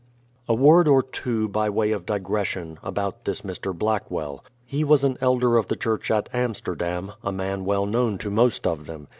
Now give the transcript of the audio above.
A word or two, by way of digression, about this Mr. Blackwell. He was an Elder of the church at Amsterdam, •— a man well known to most of them.